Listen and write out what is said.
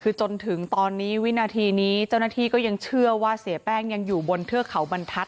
คือจนถึงตอนนี้วินาทีนี้เจ้าหน้าที่ก็ยังเชื่อว่าเสียแป้งยังอยู่บนเทือกเขาบรรทัศน